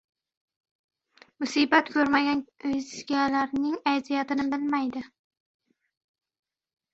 • Musibat ko‘rmagan o‘zgalarning aziyatini bilmaydi.